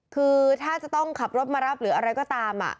คือถ้าจะต้องขับรถมารับหรืออะไรก็ตาม